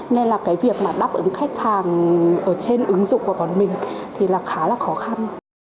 nên là cái việc mà đáp ứng khách hàng ở trên ứng dụng của bọn mình thì là khá là khó khăn